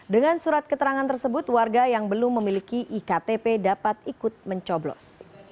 dengan surat keterangan tersebut warga yang belum memiliki iktp dapat ikut mencoblos